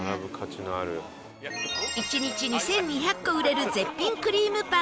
１日２２００個売れる絶品クリームパン